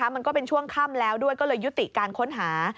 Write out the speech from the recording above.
มันก็เป็นช่วงค่ำแล้วด้วยก็เลยยุติการค้นหา